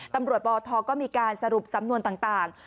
ตำรวจปทก็มีการสรุปสำนวนต่าง